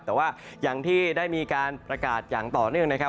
แต่ว่าอย่างที่ได้มีการประกาศอย่างต่อเนื่องนะครับ